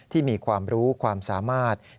ที่มีความรู้ความสามารถ